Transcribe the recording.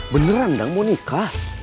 beneran kang mau nikah